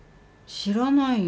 知らないよ。